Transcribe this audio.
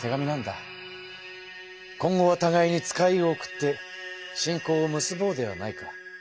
「今後はたがいに使いを送って親交を結ぼうではないか」。